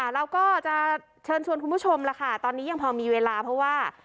เราก็จะเชิญชวนคุณผู้ชมล่ะค่ะตอนนี้ยังพอมีเวลาเพราะว่า